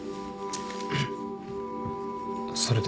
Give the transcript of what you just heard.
それで？